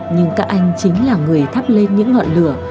nhưng các anh chính là người thắp lên những ngọn lửa